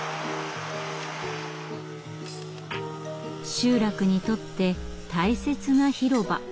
集落にとって大切な広場。